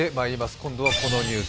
今度はこのニュース。